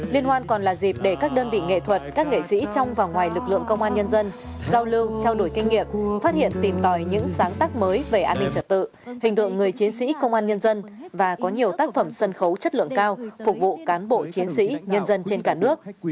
liên hoan còn là dịp để các đơn vị nghệ thuật các nghệ sĩ trong và ngoài lực lượng công an nhân dân giao lưu trao đổi kinh nghiệm phát hiện tìm tòi những sáng tác mới về an ninh trật tự hình tượng người chiến sĩ công an nhân dân và có nhiều tác phẩm sân khấu chất lượng cao phục vụ cán bộ chiến sĩ nhân dân trên cả nước